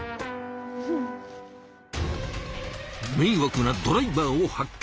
めいわくなドライバーを発見。